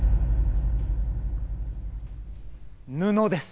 布です。